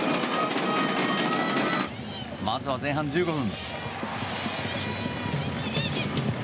まずは前半１５分。